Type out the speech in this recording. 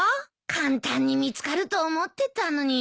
簡単に見つかると思ってたのに。